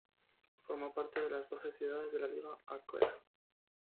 Formó parte de las doce ciudades de la Liga Aquea.